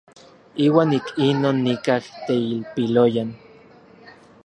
Iuan ik inon nikaj teilpiloyan.